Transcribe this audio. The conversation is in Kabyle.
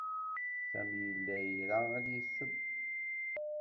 Sami yella ira ad yesseww.